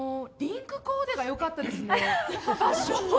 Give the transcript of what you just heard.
ピンクコーデが良かったですね。